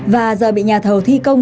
và giờ bị nhà thầu thi công